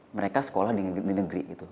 mereka sekolah di negeri gitu